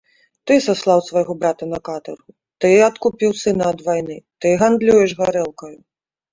Ты саслаў свайго брата на катаргу, ты адкупіў сына ад вайны, ты гандлюеш гарэлкаю!